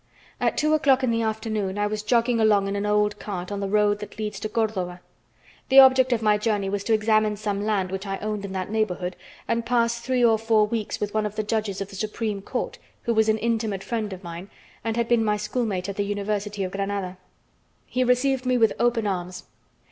At two o'clock in the afternoon I was jogging along in an old cart on the road that leads to Cordoba. The object of my journey was to examine some land which I owned in that neighborhood and pass three or four weeks with one of the judges of the Supreme Court, who was an intimate friend of mine and had been my schoolmate at the University of Granada. He received me with open arms.